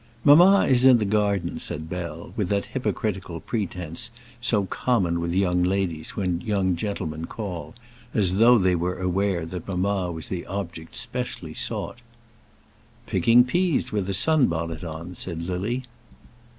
"Mamma is in the garden," said Bell, with that hypocritical pretence so common with young ladies when young gentlemen call; as though they were aware that mamma was the object specially sought. "Picking peas, with a sun bonnet on," said Lily.